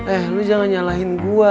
eh lu jangan nyalahin gue